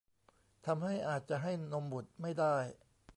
ทำให้อาจจะให้นมบุตรไม่ได้